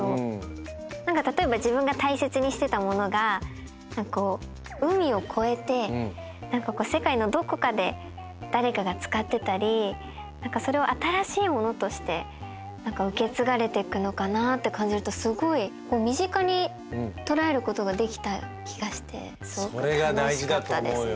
何か例えば自分が大切にしてたものが海を越えて何かこう世界のどこかで誰かが使ってたりそれを新しいものとして受け継がれてくのかなって感じるとすごい身近に捉えることができた気がしてすごく楽しかったですね。